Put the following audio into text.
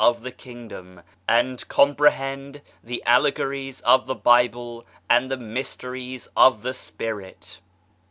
of the Kingdom, and comprehend the allegories of the Bible and the mysteries of the Spirit.